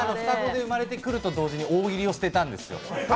双子で生まれてくると同時に大喜利を捨てたんですよ。